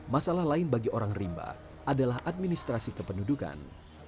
masalah lain bagi orang rimba adalah administrasi kependudukan